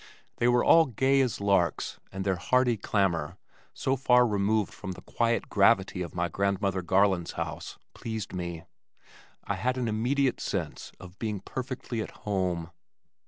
They were all gay as larks and their hearty clamor, so far removed from the quiet gravity of my grandmother Garland's house, pleased me. I had an immediate sense of being perfectly at home.